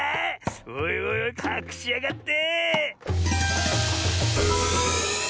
おいおいおいかくしやがって。